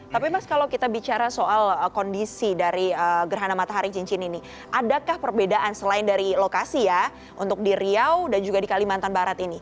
tapi mas kalau kita bicara soal kondisi dari gerhana matahari cincin ini adakah perbedaan selain dari lokasi ya untuk di riau dan juga di kalimantan barat ini